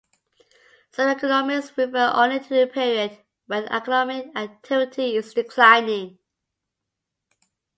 Some economists refer only to the period when economic activity is declining.